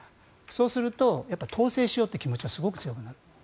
そうすると、やっぱり統制しようという気持ちがすごい強くなる。